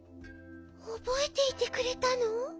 おぼえていてくれたの？